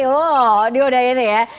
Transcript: oh diudahin ya